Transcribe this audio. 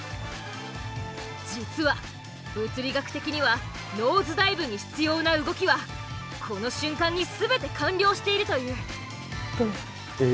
実は物理学的にはノーズダイブに必要な動きはこの瞬間に全て完了しているという。